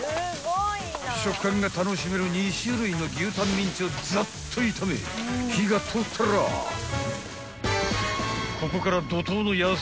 ［食感が楽しめる２種類の牛タンミンチをザッと炒め火が通ったらここから］